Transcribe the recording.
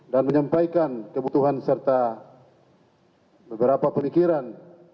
dan menyampaikan kebutuhan serta beberapa pemikiran